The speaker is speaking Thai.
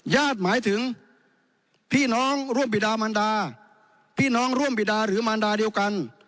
หมายถึงพี่น้องร่วมบิดามันดาพี่น้องร่วมบิดาหรือมันดาเดียวกัน